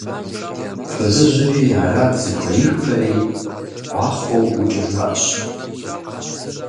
Фызыжьри арат зыхуеиххэри, хъуахъуэу ӀукӀыжащ.